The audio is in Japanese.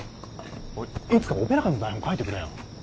いつかオペラ館の台本書いてくれよ。